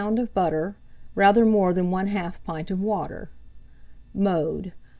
of butter, rather more than 1/2 pint of water. Mode.